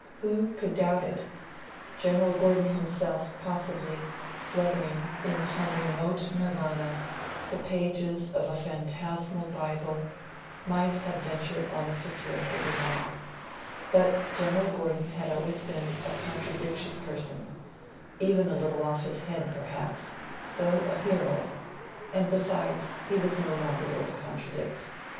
Who could doubt it? General Gordon himself, possibly, fluttering, in some remote Nirvana, the pages of a phantasmal Bible, might have ventured on a satirical remark. But General Gordon had always been a contradictious person even a little off his head, perhaps, though a hero; and besides, he was no longer there to contradict ...